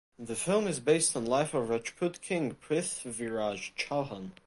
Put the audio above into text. The film is based on life of Rajput king Prithviraj Chauhan.